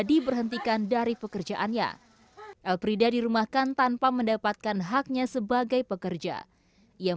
diberhentikan dari pekerjaannya elfrida dirumahkan tanpa mendapatkan haknya sebagai pekerja yang